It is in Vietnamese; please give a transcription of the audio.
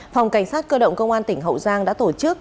phòng cảnh sát cơ động công an tỉnh hậu giang đã tổ chức